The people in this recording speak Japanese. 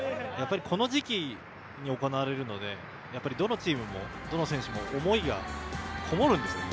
この時期に行われるのでどのチームもどの選手も思いがこもるんですよね。